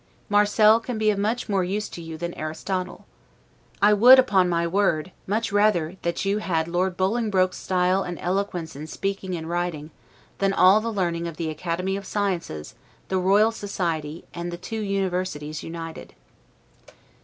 Marcel can be of much more use to you than Aristotle. I would, upon my word, much rather that you had Lord Bolingbroke's style and eloquence in speaking and writing, than all the learning of the Academy of Sciences, the Royal Society, and the two Universities united.